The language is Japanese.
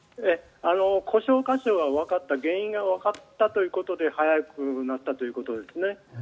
故障箇所はわかった原因がわかったということで早くなったということですね。